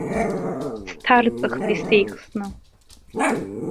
Сҭарҵахт исеихсны.